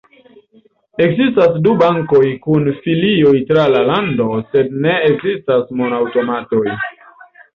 Ekzistas du bankoj kun filioj tra la lando sed ne ekzistas mon-aŭtomatoj.